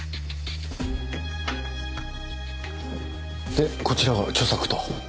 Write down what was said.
でこちらが著作と。